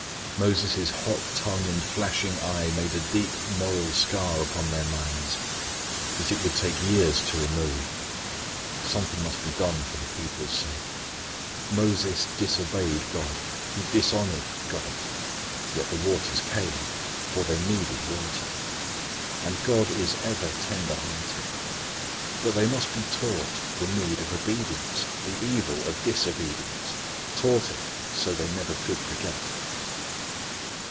Moses' hot tongue and flashing eye made a deep moral scar upon their minds, that it would take years to remove. Something must be done for the people's sake. Moses disobeyed God. He dishonoured God. Yet the waters came, for they needed water. And God is ever tender hearted. But they must be taught the need of obedience, the evil of disobedience. Taught it so they never could forget.